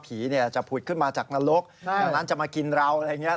ผีจะผุดขึ้นมาจากนรกดังนั้นจะมากินเราอะไรอย่างนี้